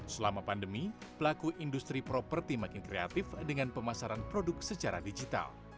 selama pandemi pelaku industri properti makin kreatif dengan pemasaran produk secara digital